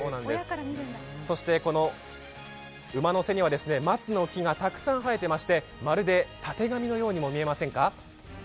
そして、この馬の背には松の木がたくさん生えていましてまるでたてがみのようにも見えませんか。